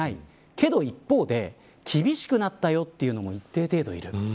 けど一方で厳しくなったよというのも一定程度いる。